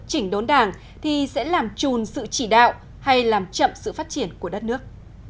chỉnh đốn đảng thì sẽ làm trùn sự chỉ đạo hay làm chậm sự phát triển của đất nước